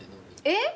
えっ？